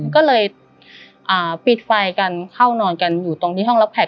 ก็เลยปิดไฟกันเข้านอนกันอยู่ตรงที่ห้องรับแขก